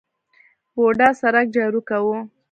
بوډا سرک جارو کاوه.